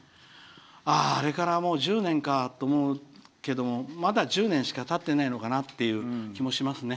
ああ、あれからもう１０年かと思うけどもまだ１０年しかたっていないのかという気もしますね。